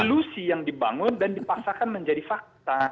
solusi yang dibangun dan dipaksakan menjadi fakta